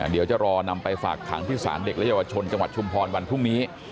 เดี๋ยวจะรอนำไปฝากขังที่ศาลเด็กและเยาวชนจังหวัดชุมพรวันพรุ่งนี้